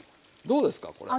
どうですかこれ。